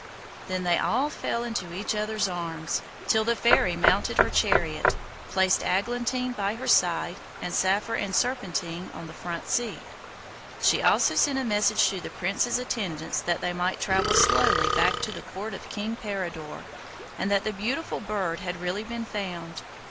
Then they all fell into each other's arms, till the fairy mounted her chariot, placed Aglantine by her side, and Saphir and Serpentine on the front seat. She also sent a message to the Prince's attendants that they might travel slowly back to the Court of King Peridor, and that the beautiful bird had really been found.